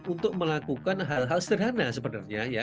untuk melakukan hal hal sederhana sebenarnya